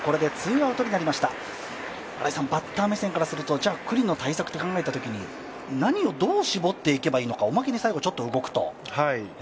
バッター目線からすると、九里の対策と考えたときに、何をどう絞っていけばいいのか、おまけに最後、ちょっと動くと？